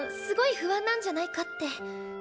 すごい不安なんじゃないかって。